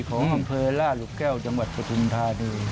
ของอำเภอล่าหลุกแก้วจังหวัดปฐุมธานี